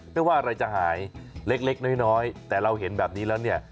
ไม่ว่าอะไรจะหายเล็กน้อยแต่เราเห็นแบบนี้แล้วเนี่ย